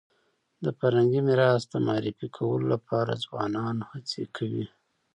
د فرهنګي میراث د معرفي کولو لپاره ځوانان هڅي کوي.